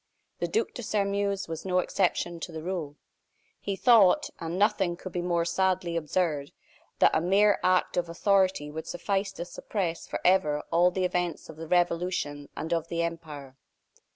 The Duc de Sairmeuse was no exception to the rule. He thought, and nothing could be more sadly absurd, that a mere act of authority would suffice to suppress forever all the events of the Revolution and of the empire.